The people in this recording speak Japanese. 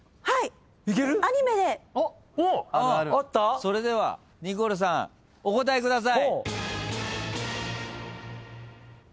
それではニコルさんお答えください。